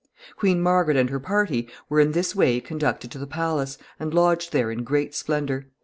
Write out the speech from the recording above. ] Queen Margaret and her party were in this way conducted to the palace, and lodged there in great splendor.